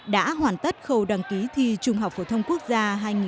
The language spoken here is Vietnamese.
đã hoàn tất khâu đăng ký thi trung học phổ thông quốc gia hai nghìn một mươi chín